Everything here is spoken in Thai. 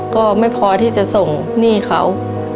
ก็ไม่พอที่จะส่งหนี้เขา